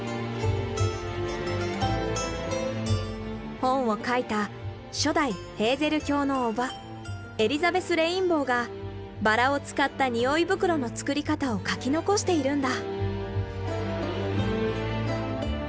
本を書いた初代ヘーゼル卿の伯母エリザベス・レインボーがバラを使った匂い袋の作り方を書き残しているんだ。